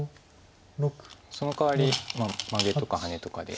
そのかわりマゲとかハネとかで。